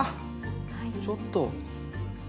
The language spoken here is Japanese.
ちょっと。